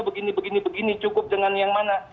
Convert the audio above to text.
begini begini cukup dengan yang mana